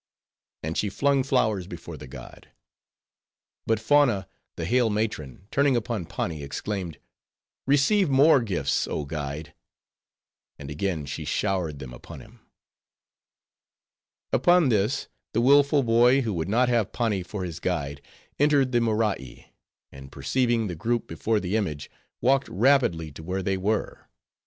And she flung flowers before the god. But Fauna, the hale matron, turning upon Pani, exclaimed, "Receive more gifts, oh guide." And again she showered them upon him. Upon this, the willful boy who would not have Pani for his guide, entered the Morai; and perceiving the group before the image, walked rapidly to where they were.